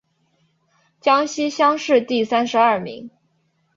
江西乡试第三十二名。